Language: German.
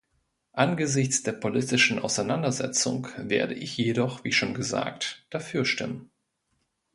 Angesichts der politischen Auseinandersetzung werde ich jedoch, wie schon gesagt, dafür stimmen.